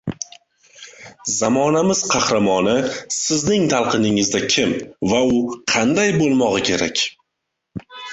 –Zamonamiz qahramoni – sizning talqiningizda kim va u qanday bo‘lmog‘i kerak?